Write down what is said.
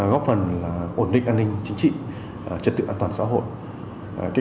góp phần ổn định an ninh chính trị trật tự an toàn xã hội